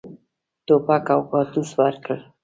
توپک او کارتوس ورکړل.